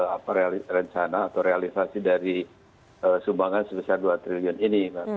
atau realisasi dari sumbangan sebesar dua triliun ini